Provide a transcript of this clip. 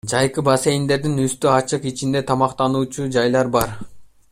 Жайкы бассейндердин үстү ачык, ичинде тамактануучу жайлары бар.